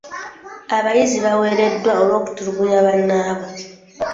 Abayizi baawereddwa olw'okutulugunya abannaabwe.